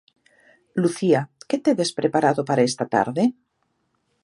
Lucía, que tedes preparado para esta tarde?